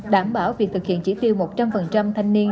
đảm bảo việc thực hiện chỉ tiêu một trăm linh thanh niên